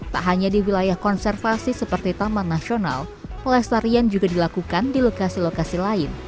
tak hanya di wilayah konservasi seperti taman nasional pelestarian juga dilakukan di lokasi lokasi lain